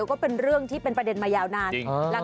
ก็เป็นเรื่องที่เป็นประเด็นมายาวนาน